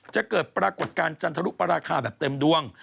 เกิดปรากฏการณ์จันทรุปราคาแบบเต็มดวง